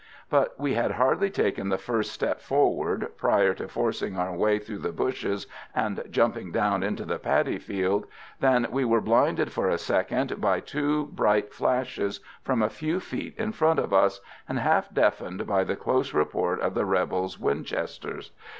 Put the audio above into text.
But we had hardly taken the first step forward, prior to forcing our way through the bushes and jumping down into the paddy field, than we were blinded for a second by two bright flashes from a few feet in front of us, and half deafened by the close report of the rebels' Winchesters.